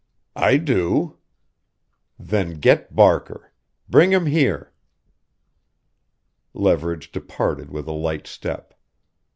"I do." "Then get Barker. Bring him here!" Leverage departed with a light step.